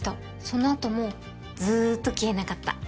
その後もずっと消えなかった。